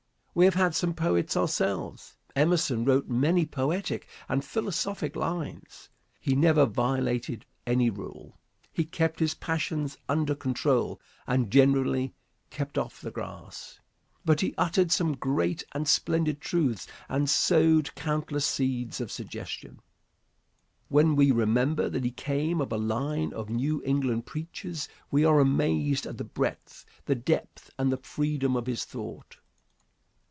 We have had some poets ourselves. Emerson wrote many poetic and philosophic lines. He never violated any rule. He kept his passions under control and generally "kept off the grass." But he uttered some great and splendid truths and sowed countless seeds of suggestion. When we remember that he came of a line of New England preachers we are amazed at the breadth, the depth and the freedom of his thought.